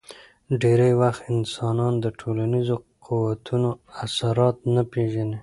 ډېری وخت انسانان د ټولنیزو قوتونو اثرات نه پېژني.